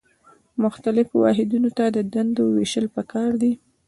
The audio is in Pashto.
مختلفو واحدونو ته د دندو ویشل پکار دي.